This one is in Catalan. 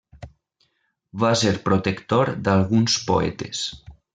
Va ser protector d'alguns poetes.